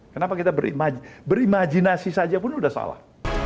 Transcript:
kenapa kita berimajinasi saja pun sudah salah